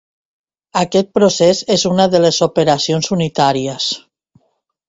Aquest procés és una de les operacions unitàries.